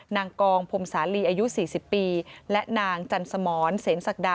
นางกองพรมสาลีอายุ๔๐ปีและนางจันสมรเสนศักดา